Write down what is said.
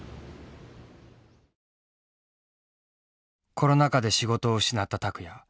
コロナ禍で仕事を失った拓也。